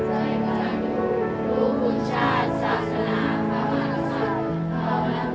ใจการดูดูผลชาติศาสนาระวังสรรค